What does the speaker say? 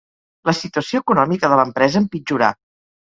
La situació econòmica de l'empresa empitjorà.